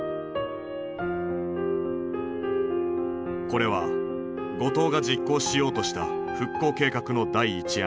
これは後藤が実行しようとした復興計画の第一案。